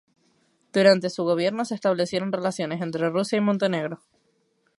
Durante su gobierno se establecieron relaciones entre Rusia y Montenegro.